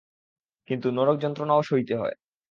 কিন্তু নরকযন্ত্রণাও সইতে হয়।